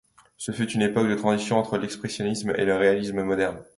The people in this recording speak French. Ce fut une époque de transition entre l'expressionnisme et le réalisme moderne.